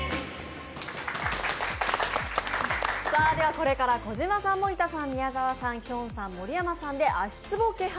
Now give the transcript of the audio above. これから小島さん、森田さん、宮澤さん、きょんさん、盛山さんで足ツボ気配